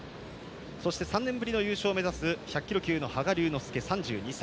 そして３年ぶりの優勝を目指す１００キロ級の羽賀龍之介、３２歳。